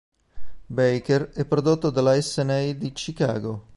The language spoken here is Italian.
Baker e prodotto dalla Essanay di Chicago.